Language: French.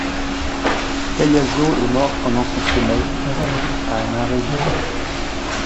Caiazzo est mort pendant son sommeil, dû à un arrêt du cœur.